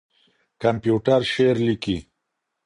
کمپيوټر شعر ليکي.